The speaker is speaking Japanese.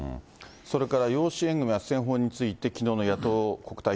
それから養子縁組あっせん法について、きのうの野党国対